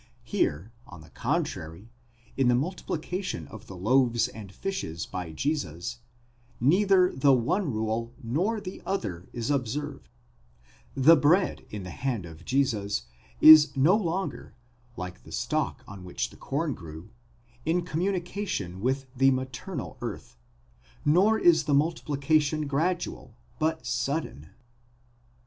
Here, on the contrary, in the multiplication of the loaves and fishes by Jesus, neither the one rule nor the other is observed : the bread in the hand of Jesus is no longer, like the stalk on which the corn grew, in communication with the maternal earth, nor is the multiplication gradual, but sudden.